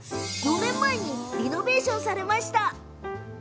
４年前にリノベーションされました。